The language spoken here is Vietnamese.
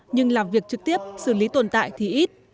nhưng làm việc trực tiếp xử lý tồn tại thì ít